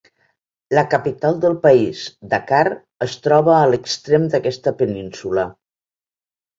La capital del país, Dakar, es troba a l'extrem d'aquesta península.